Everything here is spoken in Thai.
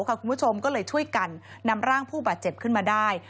คุณผู้ชมก็เลยช่วยกันนำร่างผู้บาดเจ็บขึ้นมาได้